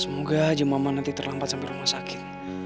semoga aja mama nanti terlambat sampai rumah sakit